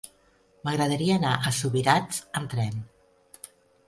M'agradaria anar a Subirats amb tren.